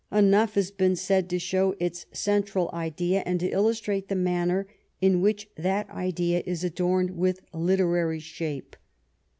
Enough has been said to show its central idea and to illustrate the manner in which that idea is adorned with literary shape.